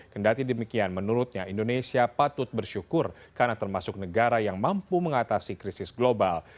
kendati demikian menurutnya indonesia patut bersyukur karena termasuk negara yang mampu mengatasi krisis global